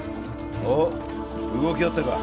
おっ動きあったか？